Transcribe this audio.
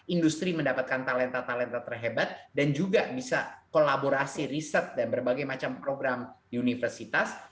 industri mendapatkan talenta talenta terhebat dan juga bisa kolaborasi riset dan berbagai macam program universitas